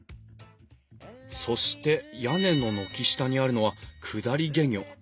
そして屋根の軒下にあるのは降り懸魚。